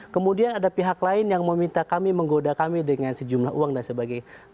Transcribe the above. kemudian ada pihak lain yang meminta kami menggoda kami dengan sejumlah uang dan sebagainya